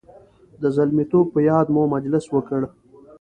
د زلمیتوب په یاد مو مجلس وکړ.